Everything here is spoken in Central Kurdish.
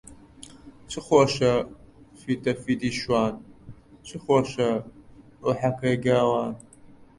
چ خۆشە فیتەفیتی شوان، چ خۆشە ئوحەکەی گاوان